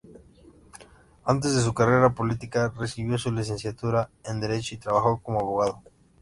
Antes de su carrera política, recibió su licenciatura en derecho y trabajó como abogado.